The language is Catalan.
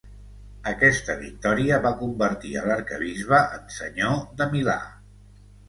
Aquesta victòria va convertir a l'arquebisbe en Senyor de Milà.